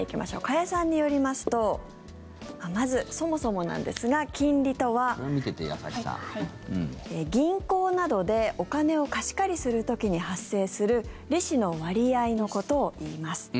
加谷さんによりますとまず、そもそもなんですが金利とは銀行などでお金を貸し借りする時に発生する利子の割合のことをいいます。